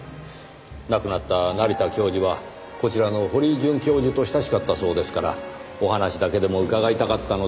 亡くなった成田教授はこちらの堀井准教授と親しかったそうですからお話だけでも伺いたかったのですがねぇ。